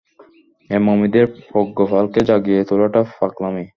এই মমিদের পঙ্গপালকে জাগিয়ে তোলাটা পাগলামি!